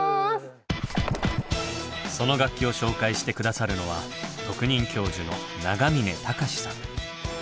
その楽器を紹介して下さるのは特任教授の永峰高志さん。